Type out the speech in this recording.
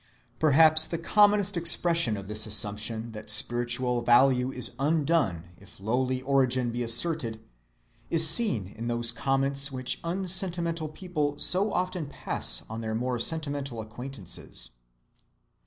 Perhaps the commonest expression of this assumption that spiritual value is undone if lowly origin be asserted is seen in those comments which unsentimental people so often pass on their more sentimental acquaintances.